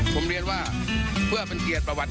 ผมเรียนว่าเพื่อเป็นเกียรติประวัติ